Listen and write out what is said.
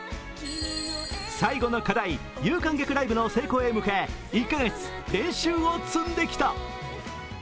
最後の課題、有観客ライブの成功へ向け１か月、練習を積んできた。